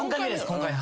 今回。